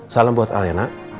salam buat al ya nak